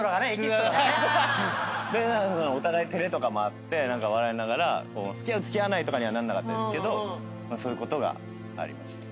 お互い照れとかもあって笑いながら付き合う付き合わないとかにはなんなかったそういうことがありました。